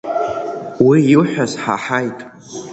Уи иуҳәаз ҳаҳаит.